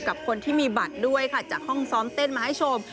กับคนที่มีบัตรด้วยค่ะจากห้องซ้อมเต้นมาให้ชม